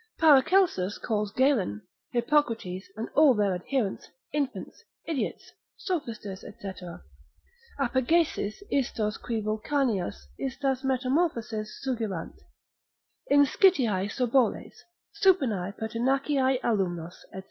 Paracelsus calls Galen, Hippocrates, and all their adherents, infants, idiots, sophisters, &c. Apagesis istos qui Vulcanias istas metamorphoses sugillant, inscitiae soboles, supinae pertinaciae alumnos, &c.